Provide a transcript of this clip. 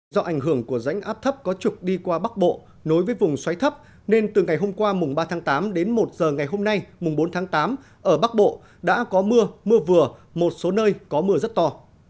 do ảnh hưởng của rãnh áp thấp có trục đi qua bắc bộ nối với vùng xoáy thấp nên từ ngày hôm qua mùng ba tháng tám đến một giờ ngày hôm nay mùng bốn tháng tám ở bắc bộ đã có mưa mưa vừa một số nơi có mưa rất to